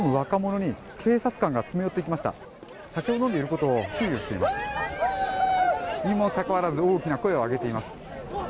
にもかかわらず大きな声を上げています。